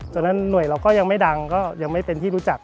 หน่วยเราก็ยังไม่ดังก็ยังไม่เป็นที่รู้จัก